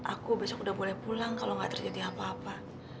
aku besok udah boleh pulang kalau nggak terjadi apa apa